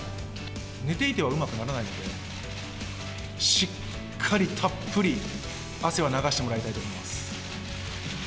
寝ていてはうまくならないので、しっかりたっぷり汗は流してもらいたいと思います。